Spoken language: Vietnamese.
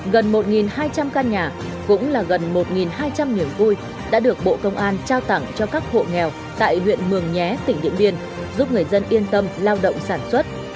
gần một hai trăm linh căn nhà cũng là gần một hai trăm linh niềm vui đã được bộ công an trao tặng cho các hộ nghèo tại huyện mường nhé tỉnh điện biên giúp người dân yên tâm lao động sản xuất